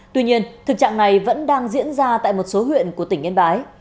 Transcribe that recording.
tuy nhiên thực trạng này vẫn đang diễn ra tại một số huyện của tỉnh yên bái